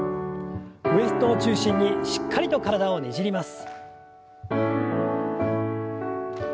ウエストを中心にしっかりと体をねじります。